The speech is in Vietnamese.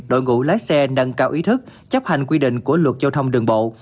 đội ngũ lái xe nâng cao ý thức chấp hành quy định của luật giao thông đường bộ